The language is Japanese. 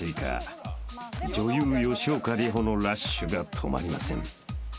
［女優吉岡里帆のラッシュが止まりません］